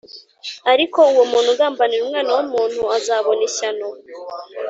ariko uwo muntu ugambanira Umwana w’umuntu azabona ishyano